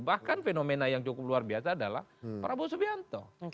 bahkan fenomena yang cukup luar biasa adalah prabowo subianto